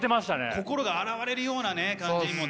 心が洗われるような感じにもなりますよね。